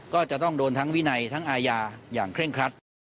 ก็จะต้องโดนทั้งวินัยทั้งอาญาอย่างเคร่งครัด